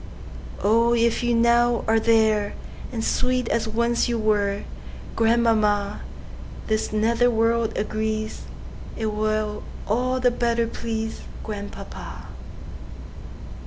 Oh, if you now are there, And sweet as once you were, Grandmamma, This nether world agrees'T will all the better pleaseGrandpapa.